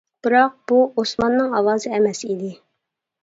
بىراق بۇ ئوسماننىڭ ئاۋازى ئەمەس ئىدى.